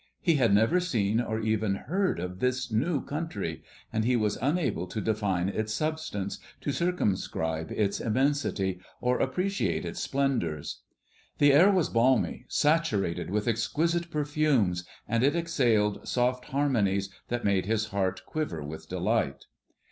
He had never seen or even heard of this new country; and he was unable to define its substance, to circumscribe its immensity, or appreciate its splendors. The air was balmy, saturated with exquisite perfumes, and it exhaled soft harmonies that made his heart quiver with delight.